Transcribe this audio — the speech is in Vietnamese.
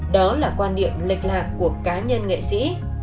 đó là quan niệm lệch lạc của cá nhân nghệ sĩ